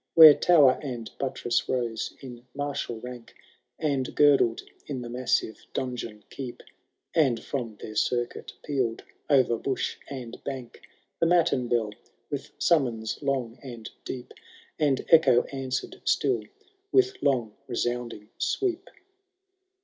Where tower and buttress rose in martial rank. And girdled in the massive donjon Keep, And from their circuit peaVd o*er bush and bank The matin bell with summons long and deep. And echo answered still with long resounding sweep.